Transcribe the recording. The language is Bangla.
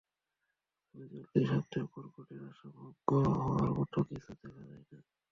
তবে, চলতি সপ্তাহে কর্কটের আশা ভঙ্গ হওয়ার মতো কিছু দেখা যায় না।